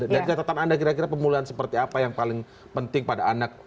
dari catatan anda kira kira pemulihan seperti apa yang paling penting pada anak